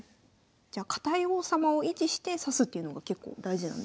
じゃあ堅い王様を維持して指すっていうのが結構大事なんですね。